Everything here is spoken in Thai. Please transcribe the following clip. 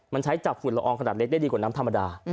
มันใช้จากฝุ่นละอองขนาดเล็กได้ดีกว่าน้ำธรรมดา